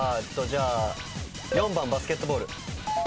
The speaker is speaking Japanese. ４番バスケットボール。